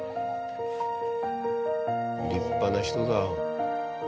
立派な人だ。